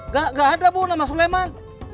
gak ada bu nama suleman